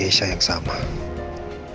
saya juga harus berdoa sama sama